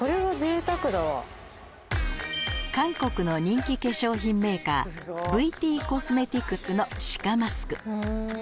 韓国の人気化粧品メーカーＶＴコスメティックスのＣＩＣＡマスク